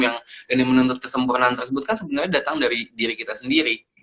yang menuntut kesempurnaan tersebut kan sebenarnya datang dari diri kita sendiri